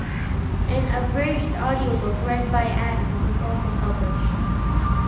An abridged audiobook, read by Adams, was also published.